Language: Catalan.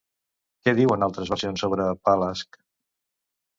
Què diuen altres versions sobre Pelasg?